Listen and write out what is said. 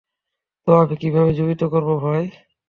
তো আমি কিভাবে জীবিত করবো ভাই?